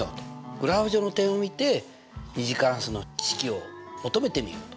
グラフ上の点を見て２次関数の式を求めてみようと。